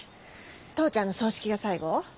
父ちゃんの葬式が最後？